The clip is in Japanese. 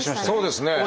そうですね。